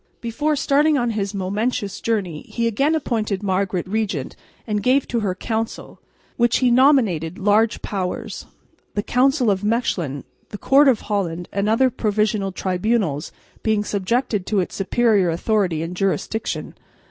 Before starting on his momentous journey he again appointed Margaret regent, and gave to her Council, which he nominated, large powers; the Council of Mechlin, the Court of Holland and other provincial tribunals being subjected to its superior authority and jurisdiction.